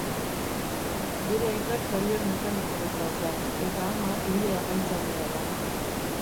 Bere aitak tailer mekaniko bat dauka, eta ama ile-apaintzailea da.